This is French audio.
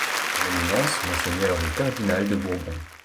Son Éminence monseigneur le cardinal de Bourbon.